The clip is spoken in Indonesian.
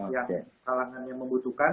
yang kalangannya membutuhkan